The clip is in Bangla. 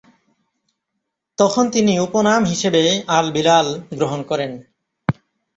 তখন তিনি উপনাম হিসেবে আল বিলাল গ্রহণ করেন।